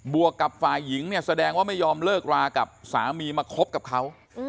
วกกับฝ่ายหญิงเนี่ยแสดงว่าไม่ยอมเลิกรากับสามีมาคบกับเขา